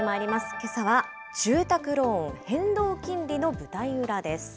けさは住宅ローン・変動金利の舞台裏です。